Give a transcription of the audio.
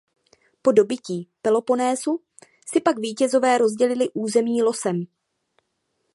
Po dobytí Peloponésu si pak vítězové rozdělili území losem.